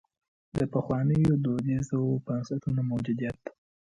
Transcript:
د پخوانیو دودیزو بنسټونو موجودیت.